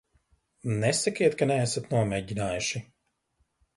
Nesakiet, ka neesat nomēģinājuši.